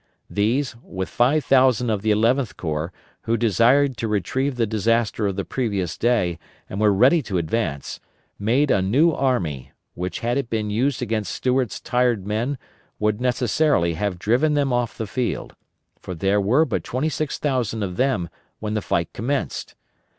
These, with 5,000 of the Eleventh Corps, who desired to retrieve the disaster of the previous day and were ready to advance, made a new army, which had it been used against Stuart's tired men would necessarily have driven them off the field; for there were but 26,000 of them when the fight commenced.